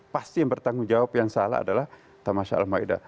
pasti yang bertanggung jawab yang salah adalah tamasha al maida